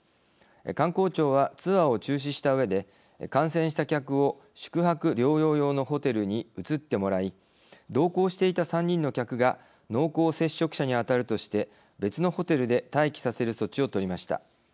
観光庁はツアーを中止したうえで感染した客を宿泊療養用のホテルに移ってもらい同行していた３人の客が濃厚接触者に当たるとして別のホテルで待機させる措置を取りました。